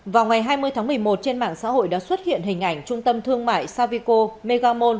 vào ngày hai mươi tháng một mươi một trên mạng xã hội đã xuất hiện hình ảnh trung tâm thương mại savico megamon